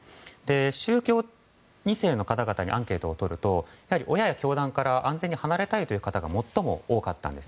宗教２世の方々にアンケートを取ると親や教団から安全に離れたい方が最も多かったんです。